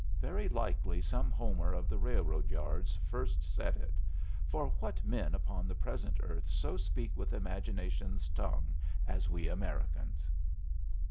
Very likely some Homer of the railroad yards first said it for what men upon the present earth so speak with imagination's tongue as we Americans?